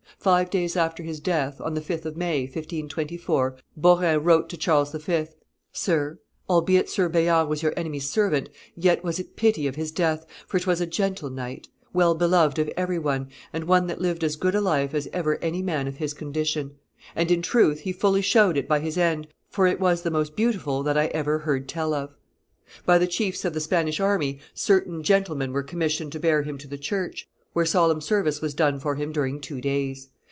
Five days after his death, on the 5th of May, 1524, Beaurain wrote to Charles V., 'Sir, albeit Sir Bayard was your enemy's servant, yet was it pity of his death, for 'twas a gentle knight, well beloved of every one, and one that lived as good a life as ever any man of his condition. And in truth he fully showed it by his end, for it was the most beautiful that I ever heard tell of.' By the chiefs of the Spanish army certain gentlemen were commissioned to bear him to the church, where solemn service was done for him during two days.